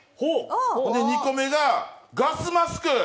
２個目がガスマスク！